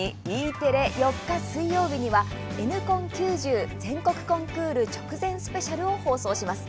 テレ４日、水曜日には「Ｎコン９０！全国コンクール直前スペシャル」を放送します。